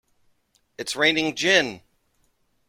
It's raining gin!